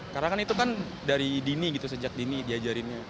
karena kan itu kan dari dini gitu sejak dini diajarinnya